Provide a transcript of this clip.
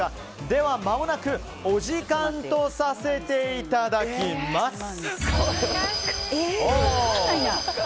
ではお時間とさせていただきます。